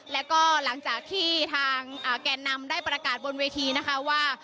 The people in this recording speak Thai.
แล้วก็หลังจากที่ทางแก่นำได้ประกาศบนเวทีนะคะว่า